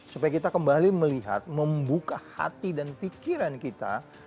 supaya kita kembali melihat membuka hati dan pikiran kita